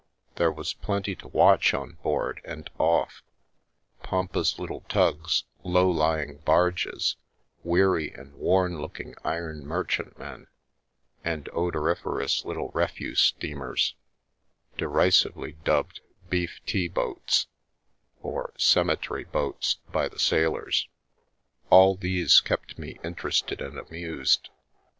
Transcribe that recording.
There was plenty to watch on board and off; pompous little tugs, low lying barges, weary and worn looking iron merchantmen, and odoriferous little refuse steamers, derisively dubbed "beef tea boats " or " cemetery boats " by the sailors ; all these kept me in terested and amused.